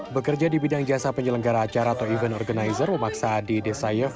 bekerja di bidang jasa penyelenggara acara atau event organizer memaksa adi desayef